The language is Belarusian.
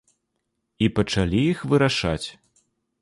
І пачалі іх вырашаць.